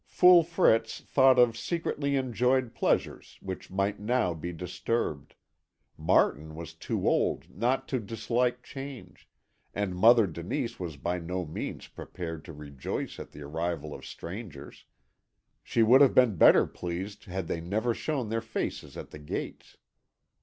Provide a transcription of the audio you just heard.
Fool Fritz thought of secretly enjoyed pleasures which might now be disturbed, Martin was too old not to dislike change, and Mother Denise was by no means prepared to rejoice at the arrival of strangers; she would have been better pleased had they never shown their faces at the gates.